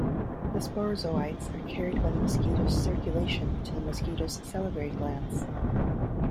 The sporozoites are carried by the mosquito's circulation to the mosquito salivary glands.